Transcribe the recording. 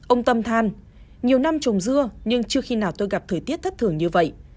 ông tâm than nhiều năm trồng dưa nhưng chưa khi nào tôi gặp thời tiết thất thường như vậy